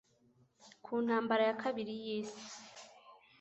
ku ntambara ya kabiri y'isi